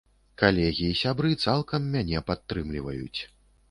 Калегі і сябры цалкам мяне падтрымліваюць.